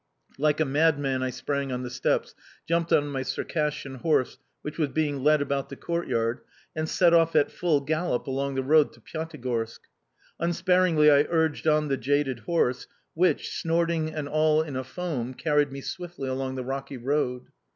Like a madman I sprang on the steps, jumped on my Circassian horse which was being led about the courtyard, and set off at full gallop along the road to Pyatigorsk. Unsparingly I urged on the jaded horse, which, snorting and all in a foam, carried me swiftly along the rocky road.